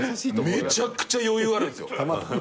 めちゃくちゃ余裕あるんすよ。